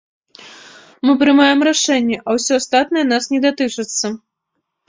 Мы прымаем рашэнне, а ўсё астатняе нас не датычыцца.